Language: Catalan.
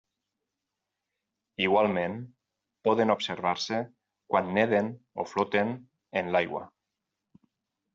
Igualment poden observar-se quan neden o floten en l'aigua.